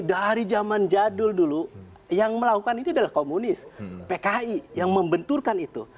dari zaman jadul dulu yang melakukan ini adalah komunis pki yang membenturkan itu